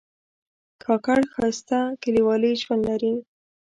کاکړ ښایسته کلیوالي ژوند لري.